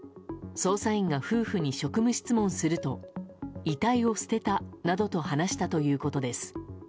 捜査員が夫婦に職務質問すると遺体を捨てたなどと話したということです。